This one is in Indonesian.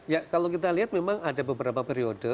ya kalau kita lihat memang ada beberapa periode